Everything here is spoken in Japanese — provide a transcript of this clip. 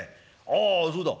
ああそうだ。